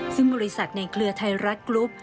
ซึ่งบริษัทในเครือไทยรัฐกรุ๊ป